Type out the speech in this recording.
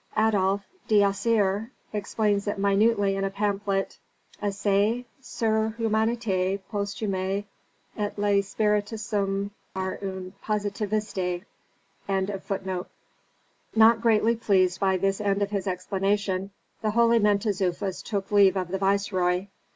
Adolf d'Assier explains it minutely in a pamphlet "Essai sur l'humanité posthume et le spiritisme, par un positiviste." Not greatly pleased by this end of his explanation, the holy Mentezufis took leave of the viceroy.